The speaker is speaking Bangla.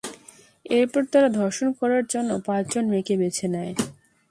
এরপর তারা ধর্ষণ করার জন্য পাঁচজন মেয়েকে বেছে নেয়।